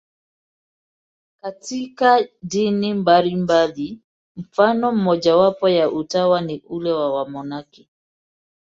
Katika dini mbalimbali, mfano mmojawapo wa utawa ni ule wa wamonaki.